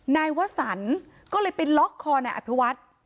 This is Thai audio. นายวสันก็เลยไปล็อกคอนายอภิวัฒน์